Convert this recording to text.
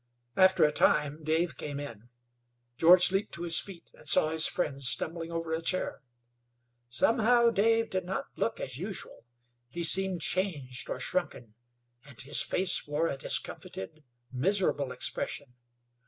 After a time Dave came in. George leaped to his feet and saw his friend stumbling over a chair. Somehow, Dave did not look as usual. He seemed changed, or shrunken, and his face wore a discomfited, miserable expression.